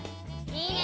いいね！